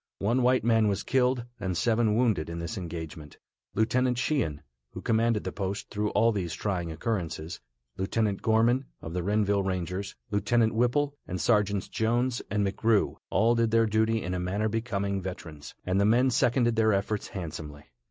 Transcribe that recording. One white man was killed and seven wounded in this engagement. Lieutenant Sheehan, who commanded the post through all these trying occurrences, Lieutenant Gorman, of the Renville Rangers, Lieutenant Whipple, and Sergeants Jones and McGrew, all did their duty in a manner becoming veterans, and the men seconded their efforts handsomely.